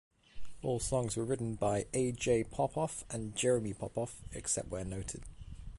All songs were written by A. Jay Popoff and Jeremy Popoff, except where noted.